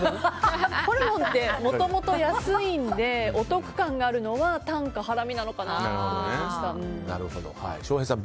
ホルモンってもともと安いんでお得感があるのはタンかハラミなのかなと翔平さん、Ｂ。